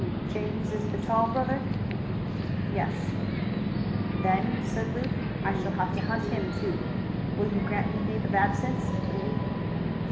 "James is the tall brother?" "Yes." "Then," said Luke, "I shall have to hunt him, too. Will you grant me leave of absence?"